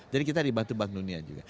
jadi kita dibantu bank dunia juga